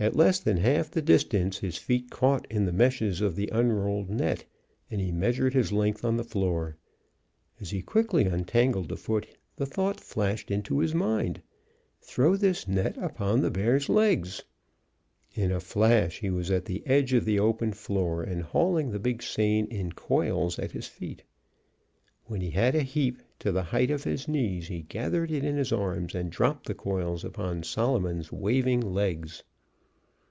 At less than half the distance, his feet caught in the meshes of the unrolled net, and he measured his length on the floor. As he quickly untangled a foot, the thought flashed into his mind, "Throw this net upon the bear's legs!" In a flash he was at the edge of the open floor and hauling the big seine in coils at his feet. When he had a heap to the height of his knees he gathered it in his arms and dropped the coils upon Solomon's waving legs.